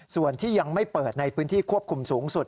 ส่วนที่ยังไม่เปิดในพื้นที่ควบคุมสูงสุด